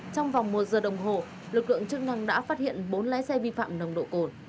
trong vòng một giờ đồng hồ lực lượng chức năng đã phát hiện bốn lái xe vi phạm nồng độ cồn